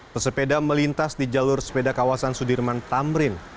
pesepeda melintas di jalur sepeda kawasan sudirman tamrin